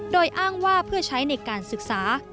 โดยอ้างว่าเพื่อใช้ในการศึกษา